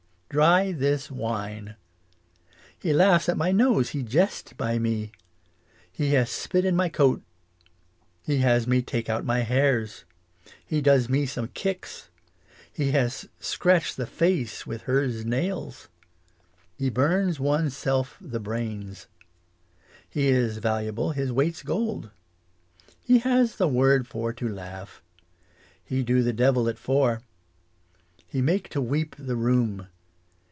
Dry this wine. He laughs at my nose, he jest by me. He has spit in my coat. He has me take out my hairs. He does me some kicks. English as she is spoke. 19 He has scratch the face with hers nails. He bums one's self the brains. He is valuable his weight's gold. He has the word for to laugh. He do the devil at four. He make to weep the room.